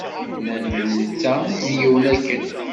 Nnan-d d netta i d yiwen akken